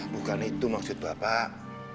bukan itu maksud bapak